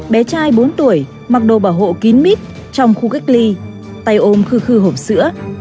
bé trai bốn tuổi mặc đồ bảo hộ kín mít trong khu cách ly tay ôm khử khư hộp sữa